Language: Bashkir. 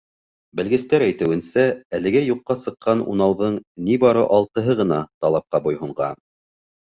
Белгестәр әйтеүенсә, әлегә юҡҡа сыҡҡан унауҙың ни бары алтыһы ғына талапҡа буйһонған.